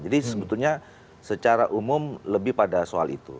jadi sebetulnya secara umum lebih pada soal itu